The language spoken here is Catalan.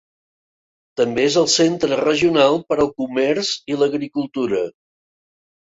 També és el centre regional per al comerç i l'agricultura.